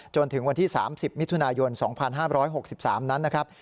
จนถึงวันที่๓๐มิถุนายน๒๕๖๓นั้นนะครับ